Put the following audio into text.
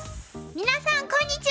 皆さんこんにちは！